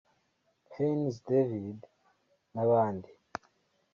Haines David n’abandi